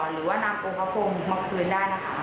หรือว่านำองค์พระพรมมาคืนได้นะคะ